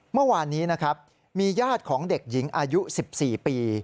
เมื่อวานนี้นะครับมีญาติของเด็กหญิงอายุ๑๔ปี